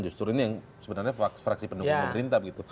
justru ini sebenarnya fraksi pendukung pemerintah